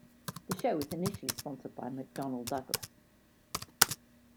The show was initially sponsored by McDonnell-Douglas.